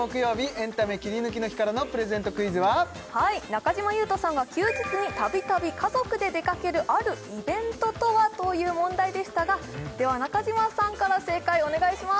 エンタメキリヌキの日からのプレゼントクイズははい中島裕翔さんが休日に度々家族で出かけるあるイベントとはという問題でしたがでは中島さんから正解お願いします